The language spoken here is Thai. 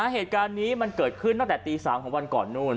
เหตุการณ์นี้มันเกิดขึ้นตั้งแต่ตี๓ของวันก่อนนู่น